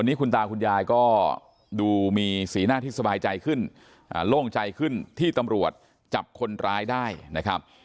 นี่คุณตาคุณยายก็ดูมีสีหน้าที่สบายใจขึ้นโล่งใจขึ้นที่ตำรวจจับคนร้ายได้นะครับ